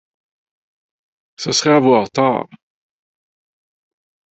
Ce serait avoir tort.